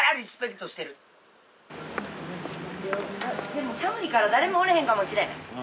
でも寒いから誰もおれへんかもしれへん。